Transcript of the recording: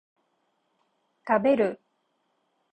食べる